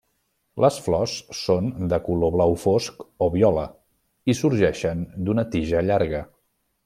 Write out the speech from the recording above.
Les flors són de color blau fosc o viola i sorgeixen d'una tija llarga.